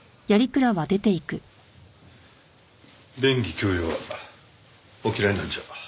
便宜供与はお嫌いなんじゃ？